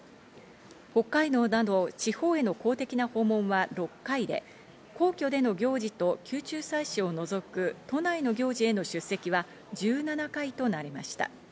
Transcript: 北海道など地方への公的な訪問は６回で皇居での行事と宮中祭祀を除く都内の行事への出席は１７回となりました。